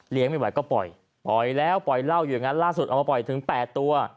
ไม่ไหวก็ปล่อยปล่อยแล้วปล่อยเหล้าอยู่อย่างนั้นล่าสุดเอามาปล่อยถึง๘ตัว